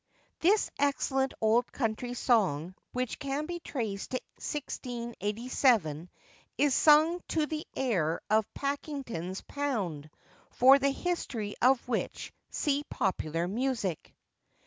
[THIS excellent old country song, which can be traced to 1687, is sung to the air of Packington's Pound, for the history of which see Popular Music.